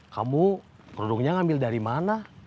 kamu produknya ngambil dari mana